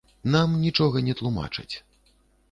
Нам нічога не тлумачаць.